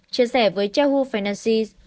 chia sẻ với yahoo finances